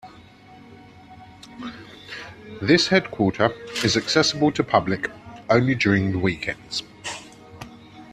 This headquarter is accessible to public only during weekends.